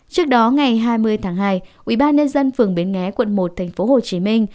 trước đó ngày hai mươi tháng hai ủy ban nhân dân phường bến nghé quận một thành phố hồ chí minh